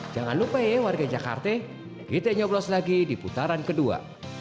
jangan lupa ya warga jakarta kita nyoblos lagi di putaran kedua